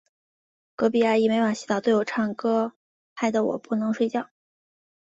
隔壁阿姨每晚洗澡都要唱歌，害得我不能睡觉。